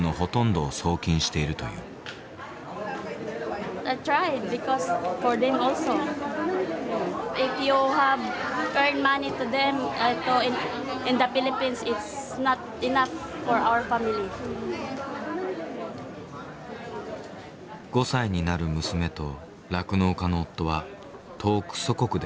５歳になる娘と酪農家の夫は遠く祖国で暮らしている。